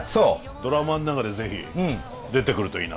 ドラマの中で是非出てくるといいな。